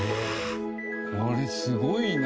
これすごいな。